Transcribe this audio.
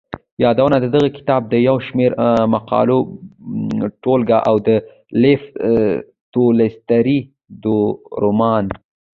يادونه دغه کتاب د يو شمېر مقالو ټولګه او د لېف تولستوري د رومان.